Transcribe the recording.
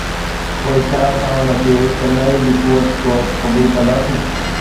پوءِ ڇا اسان ان کي چڱائي جي قوت طور قبول ڪنداسين؟